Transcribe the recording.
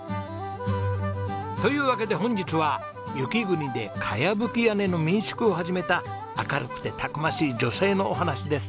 というわけで本日は雪国で茅葺き屋根の民宿を始めた明るくてたくましい女性のお話です。